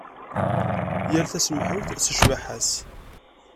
Yal tasemhuyt s ccbaḥa-s.